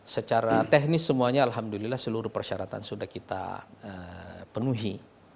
secara teknis semuanya alhamdulillah seluruh persyaratan sudah kita penuhi